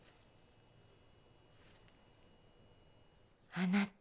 あなた。